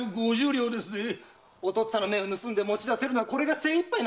お父っつぁんの目を盗んで持ち出せるのはこれが精一杯。